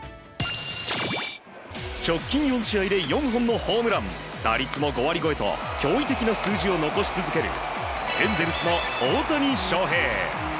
直近４試合で４本のホームラン打率も５割超えと驚異的な数字を残し続けるエンゼルスの大谷翔平。